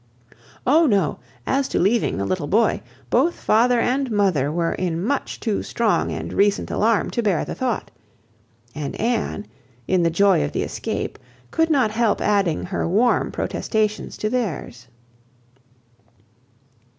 "Oh no; as to leaving the little boy," both father and mother were in much too strong and recent alarm to bear the thought; and Anne, in the joy of the escape, could not help adding her warm protestations to theirs.